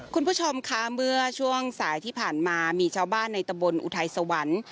คุณผู้ชมคะเมื่อช่วงสายที่ผ่านมามีชาวบ้านในตะบนอุทัยสวรรค์